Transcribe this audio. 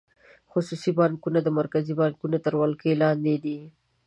خصوصي بانکونه د مرکزي بانک تر ولکې لاندې دي.